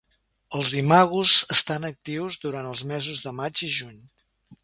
Els imagos estan actius durant els mesos de maig i juny.